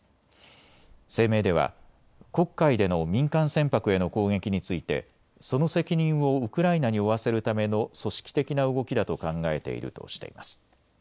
声明では黒海での民間船舶への攻撃についてその責任をウクライナに負わせるための組織的な動きだと考えているとしています。